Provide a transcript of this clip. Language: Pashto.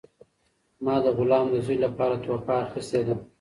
ما د غلام د زوی لپاره تحفه اخیستې ده.